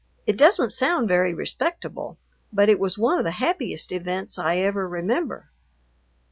It doesn't sound very respectable, but it was one of the happiest events I ever remember.